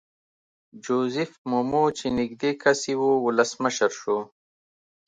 جوزیف مومو چې نږدې کس یې وو ولسمشر شو.